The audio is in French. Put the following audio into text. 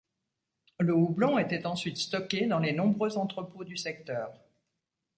Le houblon était ensuite stocké dans les nombreux entrepôts du secteur.